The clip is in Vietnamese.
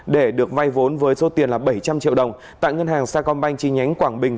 để được vay vốn với số tiền là bảy trăm linh triệu đồng tại ngân hàng sacombank chi nhánh quảng bình